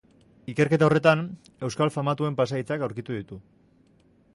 Ikerketa horretan, euskal famatuen pasahitzak aurkitu ditu.